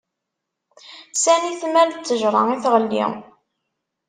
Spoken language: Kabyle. Sani tmal ttejṛa i tɣelli.